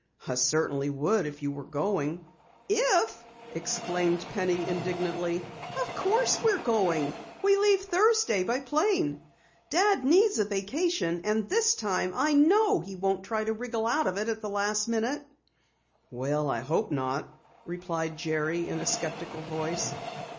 "I certainly would, if you were going." "If!" exclaimed Penny indignantly. "Of course we're going! We leave Thursday by plane. Dad needs a vacation and this time I know he won't try to wiggle out of it at the last minute." "Well, I hope not," replied Jerry in a skeptical voice.